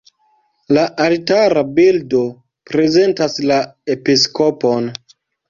La altara bildo prezentas la episkopon.